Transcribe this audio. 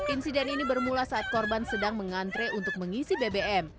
insiden ini bermula saat korban sedang mengantre untuk mengisi bbm